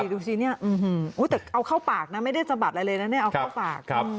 ดูสิเนี่ยแต่เอาเข้าปากนะไม่ได้สะบัดอะไรเลยนะเนี่ยเอาเข้าปาก